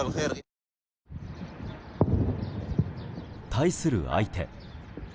対する相手。